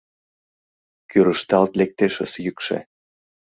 Кӱрышталт лектешыс йӱкшӧ